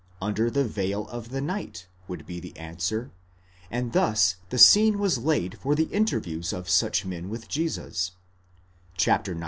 Under the veil of the night, would be the answer ; and thus the scene was laid for the interviews of such men with Jesus (xix.